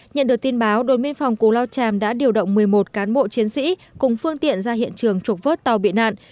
nhận được tin báo đồn biên phòng cù lao tràm đã điều động một mươi một cán bộ chiến sĩ cùng phương tiện ra hiện trường trục vớt tàu bị nạn